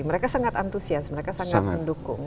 mereka sangat antusias mereka sangat mendukung